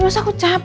masa aku capek